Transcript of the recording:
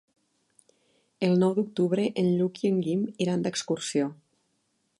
El nou d'octubre en Lluc i en Guim iran d'excursió.